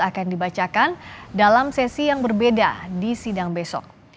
akan dibacakan dalam sesi yang berbeda di sidang besok